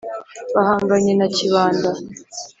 Bahanganye na Kibanda.